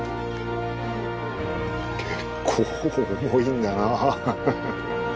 結構重いんだな。